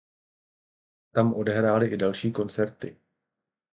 Tam odehráli i další koncerty.